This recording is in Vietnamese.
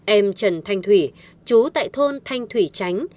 em trần thanh thủy chú tại thôn thanh thủy tránh